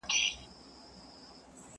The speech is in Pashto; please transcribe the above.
ورانوي هره څپه یې د مړو د بګړۍ ولونه!!